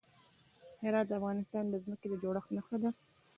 هرات د افغانستان د ځمکې د جوړښت نښه ده.